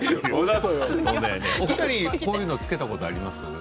お二人は、こういうのをつけたことありますか。